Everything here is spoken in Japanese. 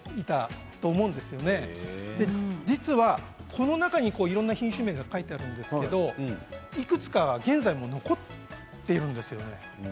この中にいろんな品種名が書かれているんですけれどいくつか現在も残っているんです。